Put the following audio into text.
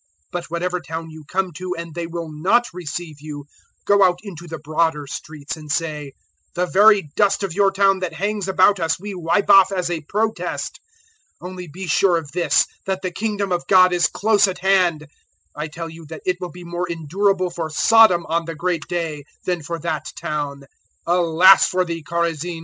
010:010 "But whatever town you come to and they will not receive you, go out into the broader streets and say, 010:011 "`The very dust of your town that hangs about us we wipe off as a protest. Only be sure of this, that the Kingdom of God is close at hand.' 010:012 "I tell you that it will be more endurable for Sodom on the great day than for that town. 010:013 "Alas for thee, Chorazin!